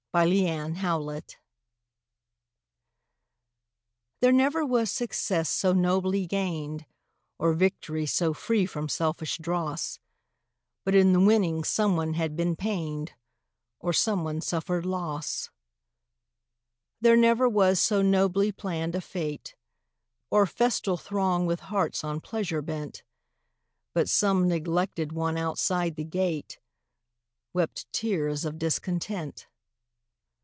SUN SHADOWS There never was success so nobly gained, Or victory so free from selfish dross, But in the winning some one had been pained Or some one suffered loss. There never was so nobly planned a fête, Or festal throng with hearts on pleasure bent, But some neglected one outside the gate Wept tears of discontent.